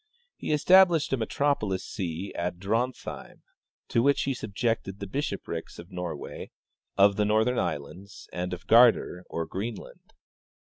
He established a metropol itan see at Drontheim, to which he subjected the bishoprics of Norway, of the Northern islands, and of Gardar, or Greenland.